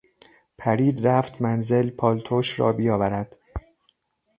پرید رفت منزل پالتوش را بیاورد.